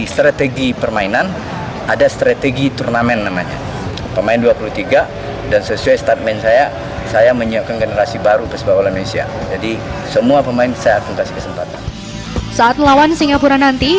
saat melawan singapura nanti